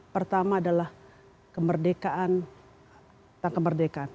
pertama adalah kemerdekaan tentang kemerdekaan